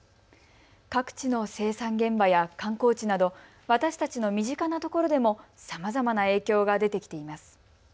各地の生産現場や観光地など私たちの身近なところでもさまざまな影響が出てきています。